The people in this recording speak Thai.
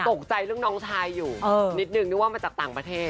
ตกใจเรื่องน้องชายอยู่นิดนึงนึกว่ามาจากต่างประเทศ